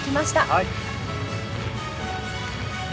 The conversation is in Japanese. はい。